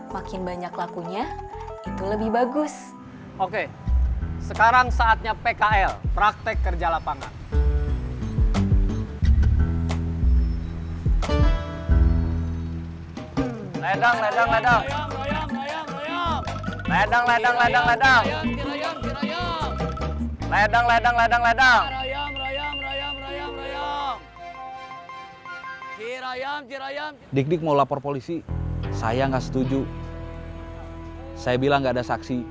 gak ada yang bisa menemani teman teman disini